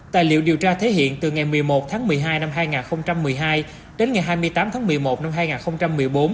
tài liệu điều tra thể hiện từ ngày một mươi một tháng một mươi hai năm hai nghìn một mươi hai đến ngày hai mươi tám tháng một mươi một năm hai nghìn một mươi bốn